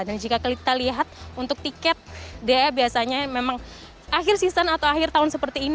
dan jika kita lihat untuk tiket dea biasanya memang akhir season atau akhir tahun seperti ini